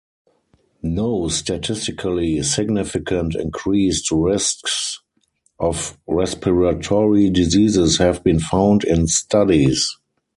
No statistically significant increased risks of respiratory diseases have been found in studies.